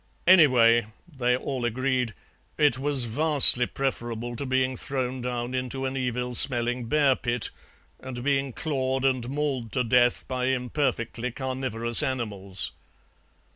Anyway, they all agreed, it was vastly preferable to being thrown down into an evil smelling bear pit and being clawed and mauled to death by imperfectly carnivorous animals.